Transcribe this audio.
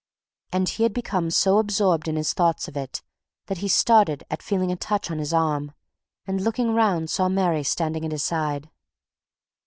And he had become so absorbed in his thoughts of it that he started at feeling a touch on his arm and looking round saw Mary standing at his side.